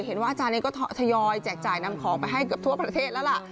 อาจารย์เองก็ทยอยแจกจ่ายนำของไปให้เกือบทั่วประเทศแล้วล่ะ